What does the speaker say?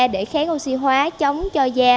để kháng oxy hóa chống cho da